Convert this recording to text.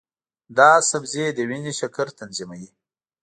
دا سبزی د وینې شکر تنظیموي.